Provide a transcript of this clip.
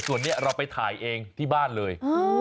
ส่วนนี้เราไปถ่ายเองที่บ้านเลย